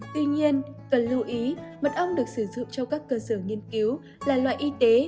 tuy nhiên cần lưu ý mật ong được sử dụng trong các cơ sở nghiên cứu là loại y tế